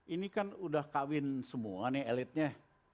ini kan udah kawin semua nih elitnya